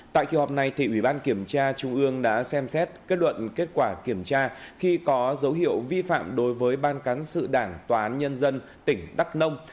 tại kỳ họp này ủy ban kiểm tra trung ương đã xem xét kết luận kết quả kiểm tra khi có dấu hiệu vi phạm đối với ban cán sự đảng tòa án nhân dân tỉnh đắk nông